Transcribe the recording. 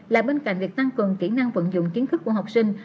là bên cạnh việc tăng cường kỹ năng vận dụng kiến thức của học sinh